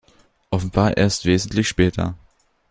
Offenbar erst wesentlich später.